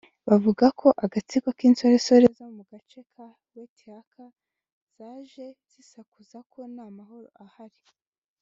Bavuga ko agatsiko k’insoresore zo mu gace ka Waithaka zaje zisakuza ko nta mahoro ahari